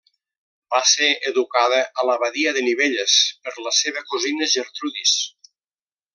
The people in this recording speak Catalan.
Va ésser educada a l'abadia de Nivelles per la seva cosina Gertrudis.